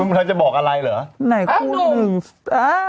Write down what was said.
น้ำจะบอกอะไรเหรอ